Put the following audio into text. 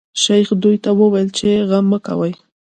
شیخ دوی ته وویل چې غم مه کوی.